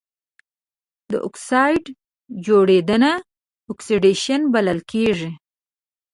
د اکسايډ جوړیدنه اکسیدیشن بلل کیږي.